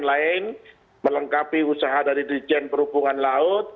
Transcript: yang lain melengkapi usaha dari dirijen perhubungan laut